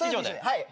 はい。